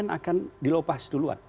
mungkin ada yang akan dilopas duluan